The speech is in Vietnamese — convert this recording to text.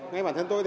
ngay bản thân tôi